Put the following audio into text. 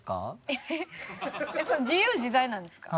自由自在なんですか？